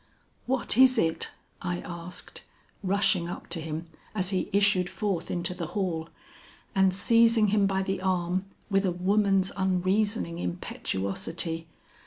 "'What is it?' I asked, rushing up to him as he issued forth into the hall, and seizing him by the arm, with a woman's unreasoning impetuosity.